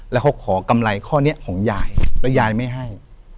แล้วเขาขอกำไรข้อนี้ของยายแล้วยายไม่ให้